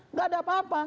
tidak ada apa apa